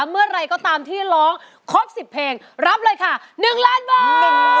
เมื่อไหร่ก็ตามที่ร้องครบ๑๐เพลงรับเลยค่ะ๑ล้านบาท